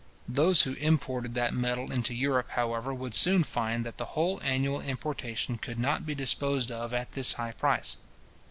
Those who imported that metal into Europe, however, would soon find that the whole annual importation could not be disposed of at this high price.